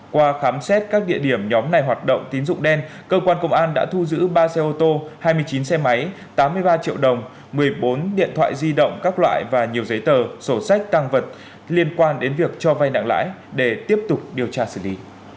qua khám xét các địa điểm nhóm này hoạt động tín dụng đen cơ quan công an đã thu giữ ba xe ô tô hai mươi chín xe máy tám mươi ba triệu đồng một mươi bốn điện thoại di động các loại và nhiều giấy tờ sổ sách tăng vật liên quan đến việc cho vai nặng lãi để tiếp tục điều tra xử lý